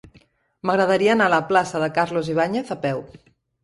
M'agradaria anar a la plaça de Carlos Ibáñez a peu.